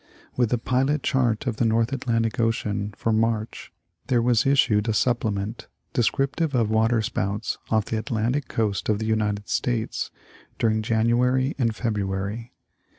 With the Pilot Chart of the North Atlantic Ocean for March there was issued a Supplement descriptive of water spouts off the Atlantic coast of the United States during January and February.